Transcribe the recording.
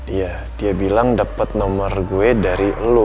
iya dia bilang dapat nomor gue dari lo